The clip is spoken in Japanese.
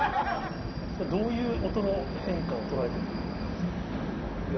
それはどういう音の変化を捉えてるんですか？